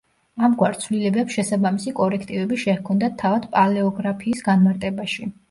ამგვარ ცვლილებებს შესაბამისი კორექტივები შეჰქონდათ თავად პალეოგრაფიის განმარტებაში.